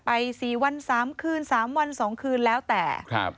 ไป๔วัน๓คืน๓วัน๒คืน